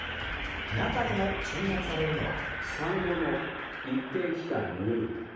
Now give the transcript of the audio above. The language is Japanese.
中でも注目されるのは。